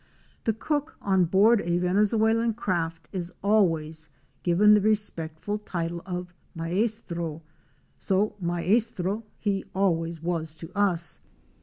The cook on board a Venezuelan craft is always given the respectful title of Maestro (Mai'stro), so Maestro he always was to us.